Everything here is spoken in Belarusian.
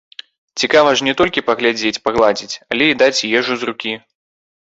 Цікава ж не толькі паглядзець, пагладзіць, але і даць ежу з рукі!